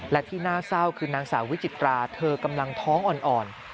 และที่น่าเศร้าคือนางสาววิจิตราเธอกำลังท้องอ่อน